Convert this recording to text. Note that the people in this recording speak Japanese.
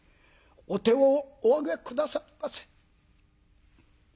お手をお上げ下さりませ。